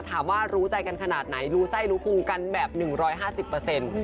ถามว่ารู้ใจกันขนาดไหนรู้ไส้รู้ครูกันแบบหนึ่งร้อยห้าสิบเปอร์เซ็นต์